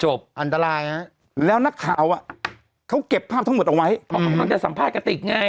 จบอันตรายน่ะแล้วนักข่าวอ่ะเขาเก็บภาพทั้งหมดเอาไว้มันจะสัมภาษณ์กระติกไง